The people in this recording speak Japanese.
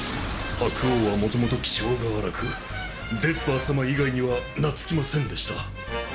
白王はもともと気性が荒くデスパー様以外には懐きませんでした